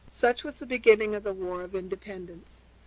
Such was the beginning of the war of independence.